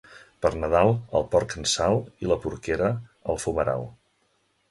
Per Nadal el porc en sal i la porquera al fumeral.